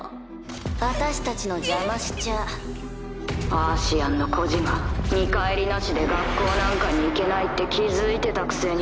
アーシアンの孤児が見返りなしで学校なんかに行けないって気付いてたくせに。